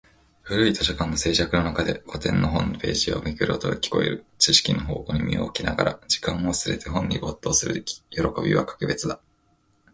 古い図書館の静寂の中で、古典の本のページをめくる音が聞こえる。知識の宝庫に身を置きながら、時間を忘れて本に没頭する喜びは格別だ。